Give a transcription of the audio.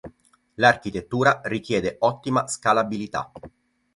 L'architettura richiede ottima scalabilità.